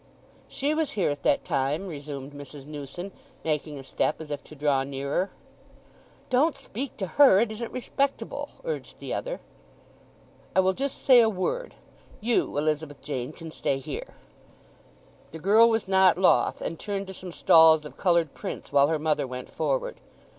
"She was here at that time," resumed Mrs. Newson, making a step as if to draw nearer. "Don't speak to her—it isn't respectable!" urged the other. "I will just say a word—you, Elizabeth Jane, can stay here." The girl was not loth, and turned to some stalls of coloured prints while her mother went forward.